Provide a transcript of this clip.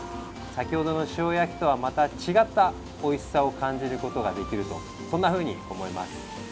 先ほどの塩焼きとはまた違ったおいしさを感じることができるとそんなふうに思います。